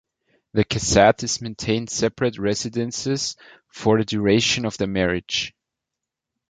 The Casatis maintained separate residences for the duration of their marriage.